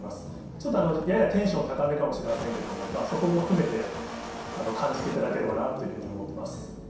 ちょっとややテンション高めかもしれませんけどもそこも含めて感じていただければなというふうに思ってます。